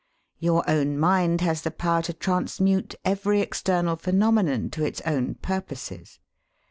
Your own mind has the power to transmute every external phenomenon to its own purposes.